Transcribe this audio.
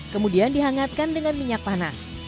kemudian dihangatkan dengan minyak panas